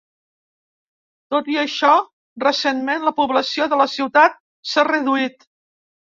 Tot i això, recentment la població de la ciutat s'ha reduït.